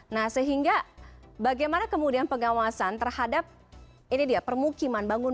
nah sehingga bagaimana kemudian pengawasan terhadap permukiman